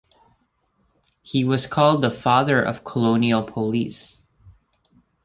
He was called the 'Father of Colonial Police'.